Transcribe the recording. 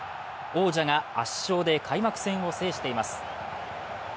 王者が圧勝で開幕戦を制しています。